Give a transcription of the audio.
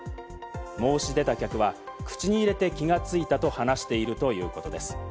申し出た客は、口に入れて気がついたと話しているということです。